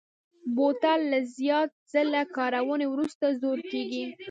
بوتل له زیات ځله کارونې وروسته زوړ کېږي.